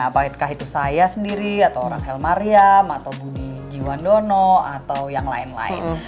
apakah itu saya sendiri atau orang helmariam atau budi jiwandono atau yang lain lain